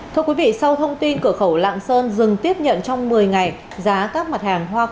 thưa quý vị sau thông tin cửa khẩu lạng sơn dừng tiếp nhận trong một mươi ngày giá các mặt hàng hoa